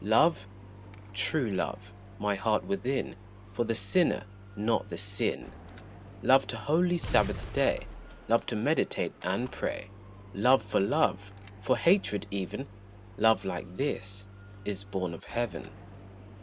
Love, true love, my heart within For the sinner, not the sin; Love to holy Sabbath day, Love to meditate and pray, Love for love, for hatred even; Love like this, is born of Heaven.